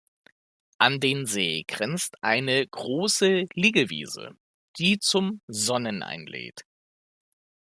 An den See grenzt eine große Liegewiese, die zum Sonnen einlädt.